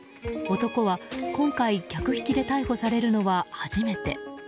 男は今回客引きで逮捕されるのは初めて。